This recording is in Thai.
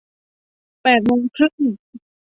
แปดโมงครึ่ง